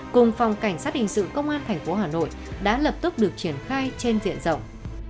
cùng phòng cảnh sát hình sự công an thành phố hà nội đã lập tức được triển khai trên diện rộng